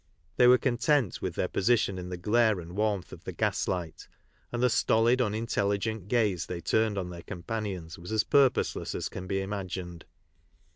They were content with their position in the glare and warmth of the gas light, and the stolid un intelligent gaze they turned on their companions was as purposeless as can be imagined.